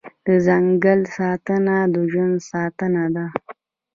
د ځنګل ساتنه د ژوند ساتنه ده